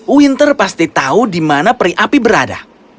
winter pasti tahu di mana peri api berada